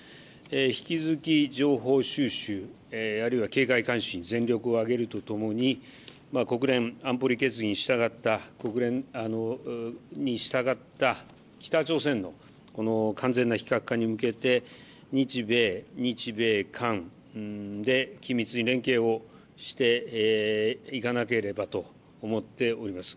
引き続き情報収集、あるいは警戒監視に全力を挙げるとともに国連安保理決議に従った、国連に従った北朝鮮の完全な非核化に向けて日米、日米韓で緊密に連携をしていかなければと思っております。